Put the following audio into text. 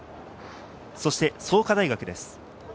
そして創価大学です。